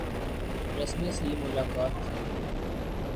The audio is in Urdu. رسمی سی ملاقات تھی۔